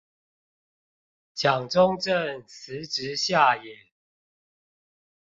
蔣中正辭職下野